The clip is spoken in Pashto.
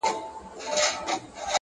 د توري شپې سره خوبونه هېرولاى نه سم.!